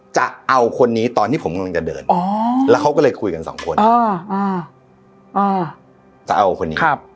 จะเอาคนนี้ตอนที่ผมกำลังจะเดิน